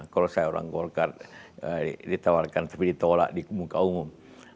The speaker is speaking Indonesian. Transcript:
kalau saya orang golkar ditawarkan tapi ditolak di muka umum